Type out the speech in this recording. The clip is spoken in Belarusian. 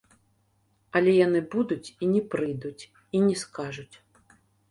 Але яны будуць і не прыйдуць і не скажуць.